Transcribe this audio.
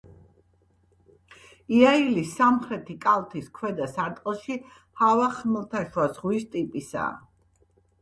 იაილის სამხრეთი კალთის ქვედა სარტყელში ჰავა ხმელთაშუა ზღვის ტიპისაა.